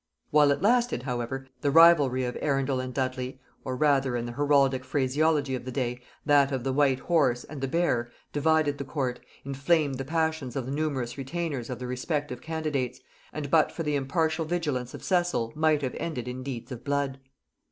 While it lasted, however, the rivalry of Arundel and Dudley, or rather, in the heraldic phraseology of the day, that of the White Horse and the Bear, divided the court, inflamed the passions of the numerous retainers of the respective candidates, and but for the impartial vigilance of Cecil might have ended in deeds of blood.